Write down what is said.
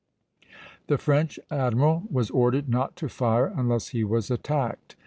The French admiral was ordered not to fire unless he was attacked.